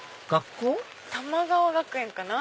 玉川学園かな？